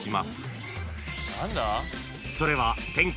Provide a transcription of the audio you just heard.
［それは］